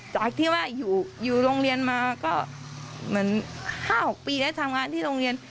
จากที่ว่าอยู่โรงเรียนมาก็เหมือน๕๖ปีได้ทำงานที่โรงเรียน